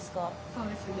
そうですね